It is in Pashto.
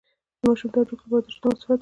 د ماشوم د هډوکو لپاره د شیدو محصولات ورکړئ